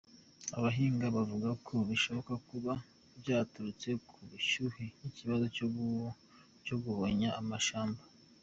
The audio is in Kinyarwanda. Abahinga bavuga ko bishobora kuba vyaturutse ku bushuhe, n'ikibazo co guhonya amashamba.